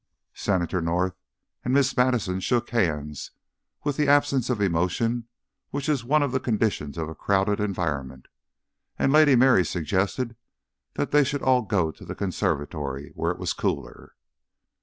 Senator North and Miss Madison shook hands with that absence of emotion which is one of the conditions of a crowded environment, and Lady Mary suggested they should all go to the conservatory, where it was cooler.